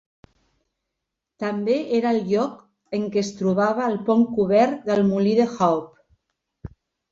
També era el lloc en què es trobava el Pont Cobert del Molí de Haupt.